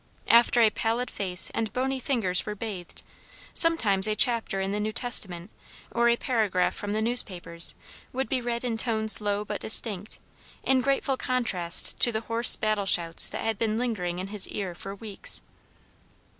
After a pallid face and bony fingers were bathed, sometimes a chapter in the New Testament or a paragraph from the newspapers would be read in tones low but distinct, in grateful contrast to the hoarse battle shouts that had been lingering in his ear for weeks.